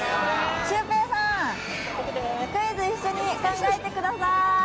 シュウペイさん、クイズ一緒に考えてください。